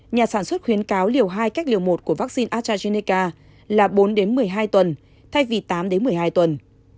nhà sản xuất khuyến cáo liều hai cách liều một của vaccine astrazeneca là bốn đến một mươi hai tuần thay vì tám đến một mươi hai tuần